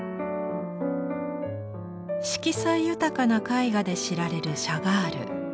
色彩豊かな絵画で知られるシャガール。